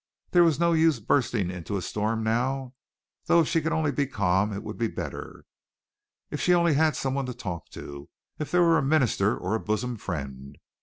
There was no use bursting into a storm now, though. If she could only be calm it would be better. If she only had someone to talk to if there were a minister or a bosom friend!